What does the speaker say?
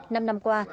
năm năm qua